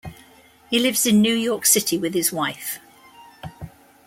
He lives in New York City with his wife.